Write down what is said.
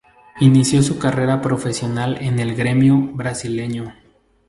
Inició su carrera profesional en el Grêmio brasileño.